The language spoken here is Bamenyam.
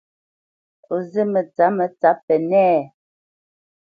O zí mətsǎpmə tsǎp Pənɛ́a a ?